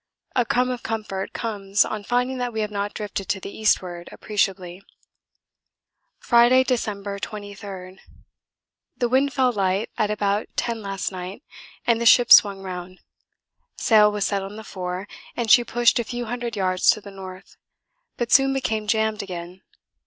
A crumb of comfort comes on finding that we have not drifted to the eastward appreciably. Friday, December 23. The wind fell light at about ten last night and the ship swung round. Sail was set on the fore, and she pushed a few hundred yards to the north, but soon became jammed again.